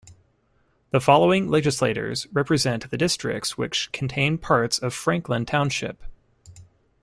The following legislators represent the districts which contain parts of Franklin Township.